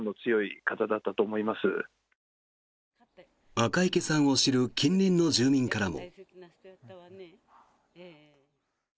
赤池さんを知る近隣の住民からも。